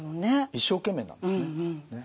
一生懸命なんですね。